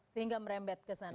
sehingga merembet kesana